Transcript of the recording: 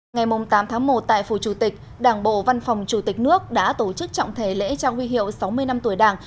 ngày tám tháng một tại phủ chủ tịch đảng bộ văn phòng chủ tịch nước đã tổ chức trọng thể lễ trao huy hiệu sáu mươi năm tuổi đảng